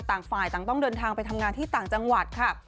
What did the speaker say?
ต่างฝ่ายต่างต้องเดินทางไปทำงานที่ต่างจังหวัดค่ะ